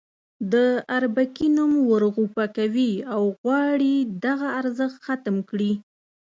د اربکي نوم ورغوپه کوي او غواړي دغه ارزښت ختم کړي.